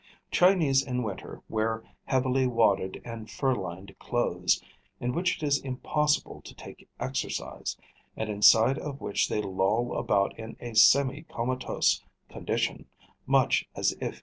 Chinese in winter wear heavily wadded and fur lined clothes, in which it is impossible to take exercise, and inside of which they loll about in a semi comatose condition, much as if in bed.